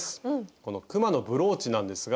この「くまのブローチ」なんですが。